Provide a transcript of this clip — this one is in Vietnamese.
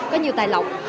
có nhiều tài lọc